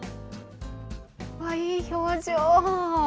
いい表情！